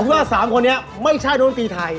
ว่า๓คนนี้ไม่ใช่นักดนตรีไทย